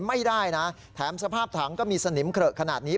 ไม่ได้นะแถมสภาพถังก็มีสนิมเขละขนาดนี้